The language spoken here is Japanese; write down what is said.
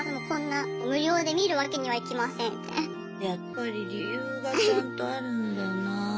やっぱり理由がちゃんとあるんだな。